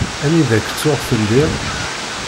Anida k-tuɣ telliḍ?